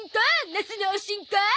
ナスのおしんこ！